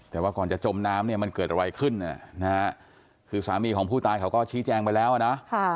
แต่ว่าก่อนจะจมน้ำเนี่ยมันเกิดอะไรขึ้นคือสามีของผู้ตายเขาก็ชี้แจงไปแล้วอ่ะนะ